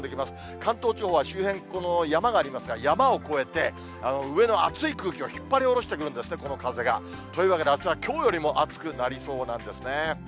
関東地方は周辺、この山がありますが、山を越えて、上の熱い空気を引っ張り下ろしてくるんですね、この風が。というわけで、あすはきょうよりも暑くなりそうなんですね。